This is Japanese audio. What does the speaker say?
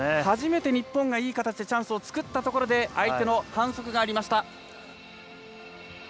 はじめて日本がいい形でチャンスを作ったところで相手に反則がありました。